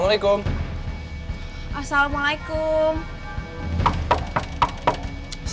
dre fields tak mau ke rumah